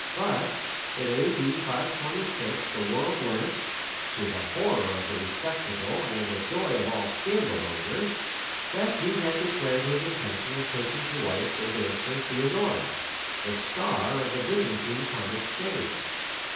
But in A.D. 526 the world learnt, to the horror of the respectable and the joy of all scandal mongers, that he had declared his intention of taking to wife the dancer Theodora, the star of the Byzantine comic stage.